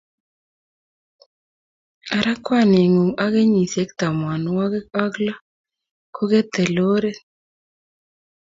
Ara kwaningung ak kenyisiek tamanwogik ak lo kogete lorit